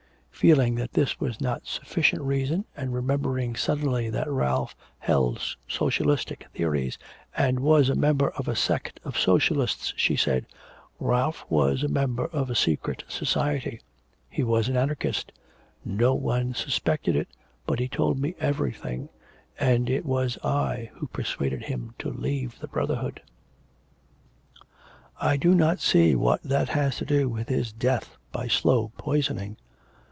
Feeling that this was not sufficient reason, and remembering suddenly that Ralph held socialistic theories and was a member of a sect of socialists, she said: 'Ralph was a member of a secret society.... He was an anarchist no one suspected it, but he told me everything, and it was I who persuaded him to leave the Brotherhood.' 'I do not see what that has to do with his death by slow poisoning.'